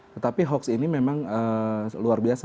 tetapi hoax ini memang luar biasa